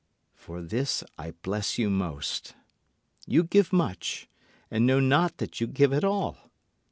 For this I bless you most: You give much and know not that you give at all.